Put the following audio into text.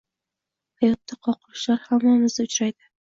Hayotda qoqilishlar hammamizda uchraydi.